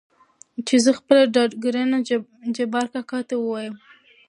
چې زه خپله ډاډګرنه جبار کاکا ته ووايم .